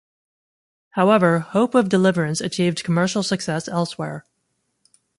However, "Hope of Deliverance" achieved commercial success elsewhere.